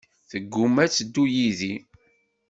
Teggumma ad teddu yid-i.